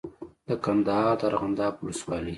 د کندهار د ارغنداب ولسوالۍ